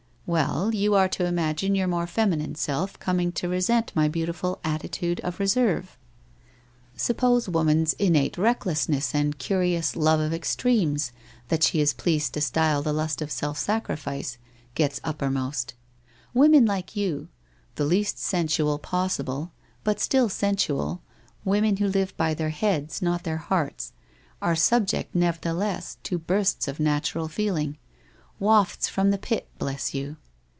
i Well, you are to imagine your more feminine self coming to resent my beautiful altitude of reserve? Sup 138 WHITE ROSE OF WEARY LEAF pose woman's innate recklessness and curious love of ex tremes, that she is pleased to style the lust of self sacrifice, gets uppermost? Women like you, the least sensual pos sible, but still sensual, women who live by their heads, not their hearts, are subject, nevertheless, to bursts of natural feeling, wafts from the pit — bless you!